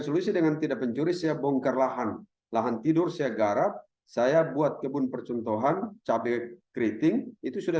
solusi dengan tidak pencuri saya bongkar lahan lahan tidur seyegara saya buat kebun perc kings just got it